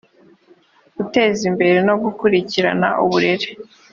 guteza imbere no gukurikirana uburere